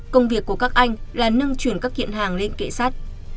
công việc của các anh là nâng chuyển các kiện hàng lên kệ sát